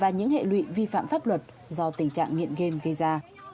và những hệ lụy vi phạm pháp luật do tình trạng nghiện game gây ra